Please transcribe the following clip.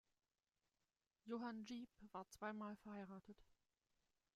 Johann Jeep war zweimal verheiratet.